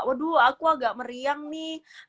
waduh aku agak meriang nih